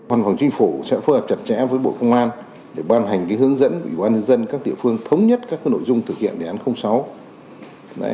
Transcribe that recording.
văn phòng chính phủ sẽ phối hợp chặt chẽ với bộ công an để ban hành hướng dẫn của bộ công an các địa phương thống nhất các nội dung thực hiện đề án sáu